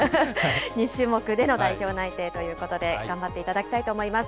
２種目での代表内定ということで、頑張っていただきたいと思います。